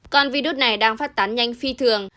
con virus này đang phát tán nhanh phi thường